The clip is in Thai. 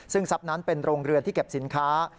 ซึ่งทรัพย์นั้นเป็นโรงเรือนที่เก็บสินค้า